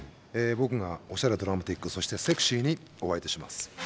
僕がおしゃれドラマティックそしてセクシーにお相手します。